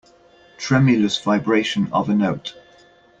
Tremulous vibration of a note.